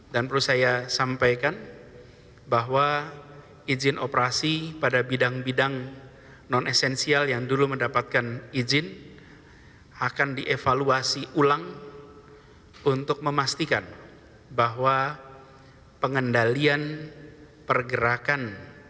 dan perlu saya sampaikan bahwa izin operasi pada bidang bidang non esensial yang dulu mendapatkan izin akan dievaluasi ulang untuk memastikan bahwa pengendalian pergerakan